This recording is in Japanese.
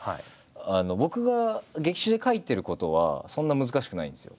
僕が劇中で書いてることはそんな難しくないんですよ。